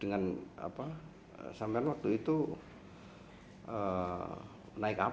dengan apa sampai waktu itu naik apa kesananya